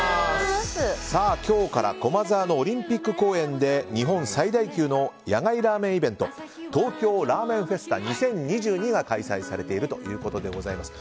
今日から駒沢のオリンピック公園で日本最大級の野外ラーメンイベント東京ラーメンフェスタ２０２２が開催されているということです。